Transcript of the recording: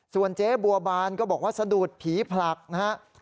ส่วนเจ๊บัวบานก็บอกว่าสะดุดผีผลักนะครับ